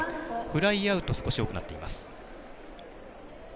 フライアウトが少し多くなっています。